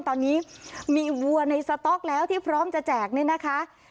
ตอนนี้มีวัวในสต๊อกแล้วที่พร้อมจะแจกเนี่ยนะคะ